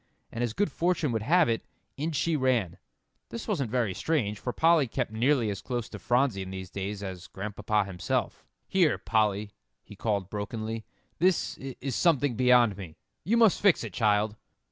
And as good fortune would have it, in she ran. This wasn't very strange, for Polly kept nearly as close to Phronsie in these days, as Grandpapa himself. "Here, Polly," he called brokenly, "this is something beyond me. You must fix it, child."